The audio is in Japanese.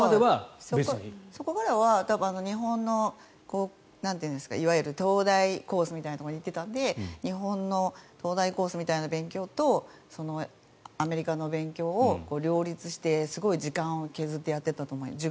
そこからは日本のいわゆる東大コースみたいなところに行っていたので日本の東大コースみたいな勉強とアメリカの勉強を両立して時間を削ってやっていたと思います。